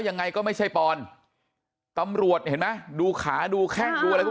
ยังไงก็ไม่ใช่ปอนตำรวจเห็นไหมดูขาดูแข้งดูอะไรพวก